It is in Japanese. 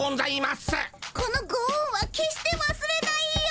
このごおんはけっしてわすれないよ。